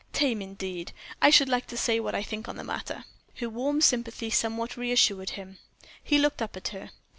Tame indeed! I should like to say what I think on the matter." Her warm sympathy somewhat reassured him. He looked up at her.